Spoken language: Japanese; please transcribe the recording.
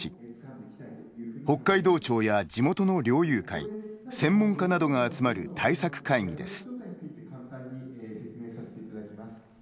北海道庁や、地元の猟友会専門家などが集まる対策会議です。